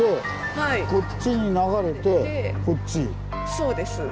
そうです。